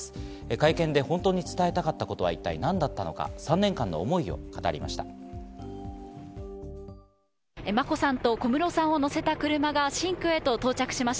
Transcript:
会見で本当に伝えたかったことは一体何だったのか、３年間の思いを語りました。